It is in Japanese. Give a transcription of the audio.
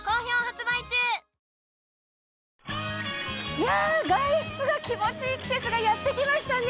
いや外出が気持ちいい季節がやって来ましたね！